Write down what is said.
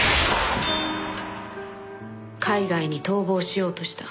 海外に逃亡しようとした。